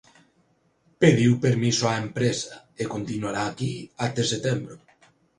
Pediu permiso á empresa e continuará aquí até setembro.